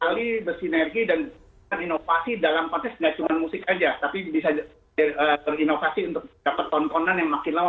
tapi bisa berinovasi untuk dapet tontonan yang makin lama